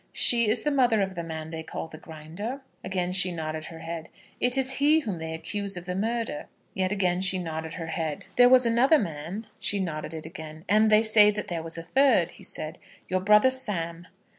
"She is the mother of the man they call the Grinder?" Again she nodded her head. "It is he whom they accuse of the murder?" Yet again she nodded her head. "There was another man?" She nodded it again. "And they say that there was a third," he said, "your brother Sam."